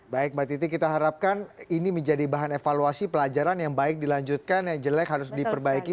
baik mbak titi kita harapkan ini menjadi bahan evaluasi pelajaran yang baik dilanjutkan yang jelek harus diperbaiki